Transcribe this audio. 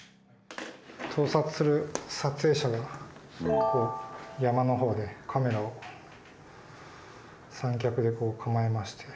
盗撮する撮影者が山のほうでカメラを三脚で構えまして。